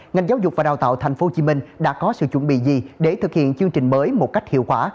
ngành giáo dục và đào tạo tp hcm đã có sự chuẩn bị gì để thực hiện chương trình mới một cách hiệu quả